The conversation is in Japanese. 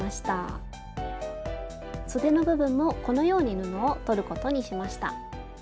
そでの部分もこのように布をとることにしました。